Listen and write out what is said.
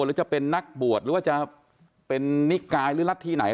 หรือจะเป็นนักบวชหรือว่าจะเป็นนิกายหรือรัฐที่ไหน